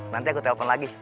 nanti aku telfon lagi